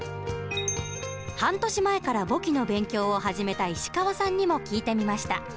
半年前から簿記の勉強を始めた石川さんにも聞いてみました。